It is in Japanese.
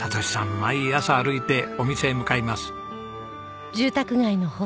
毎朝歩いてお店へ向かいます。